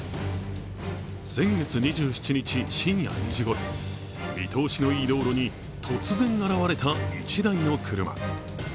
先月２７日深夜２時ごろ、見通しのいい道路に突然現れた１台の車。